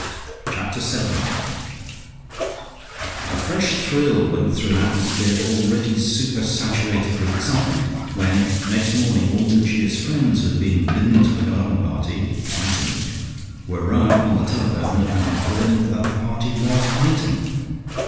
Chapter SEVEN A fresh thrill went through an atmosphere already super saturated with excitement, when next morning all Lucia's friends who had been bidden to the garden party (Tightum) were rung up on the telephone and informed that the party was Hightum.